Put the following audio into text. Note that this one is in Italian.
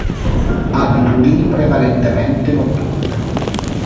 Ha abitudini prevalentemente notturne.